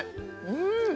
うん！